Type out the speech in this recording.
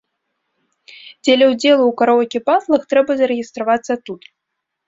Дзеля ўдзелу ў караоке-батлах трэба зарэгістравацца тут.